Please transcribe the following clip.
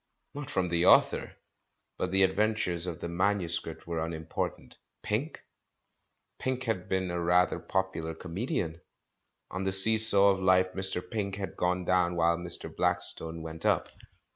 Not from the author. But the adventures of the manuscript were unimportant. Pink ? Pink had been a rather popular comedian. On the see saw of life ]Mr. Pink had gone down while ]Mr. Blackstone went up.